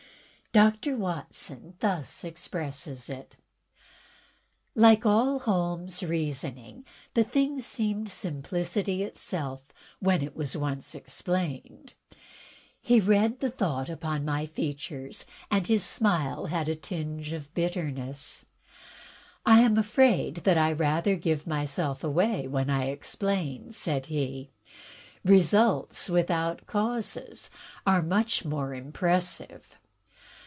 Doctor Watson thus expresses it: "Like all Holmes' reasoning the thing seemed simplicity itself when it was once explained. He read the thought upon my features, and his smile had a tinge of bitterness. "I am afraid that I rather give myself away when I explain," said he. "Results without causes are much more impressive."